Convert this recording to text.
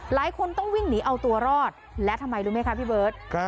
หลายคนต้องวิ่งหนีเอาตัวรอดและทำไมรู้ไหมคะพี่เบิร์ต